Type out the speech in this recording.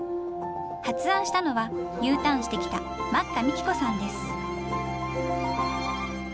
発案したのはＵターンしてきた眞下美紀子さんです。